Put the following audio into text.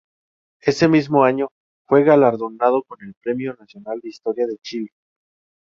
Ese mismo año fue galardonado con el Premio Nacional de Historia de Chile.